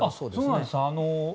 そうなんですよ。